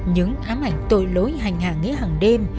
những ám ảnh tội lỗi hành hạ nghĩa hàng đêm